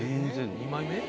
２枚目？